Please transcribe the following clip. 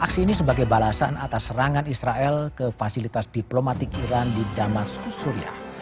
aksi ini sebagai balasan atas serangan israel ke fasilitas diplomatik iran di damas suriah